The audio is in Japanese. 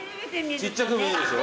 ちっちゃく見えるでしょ。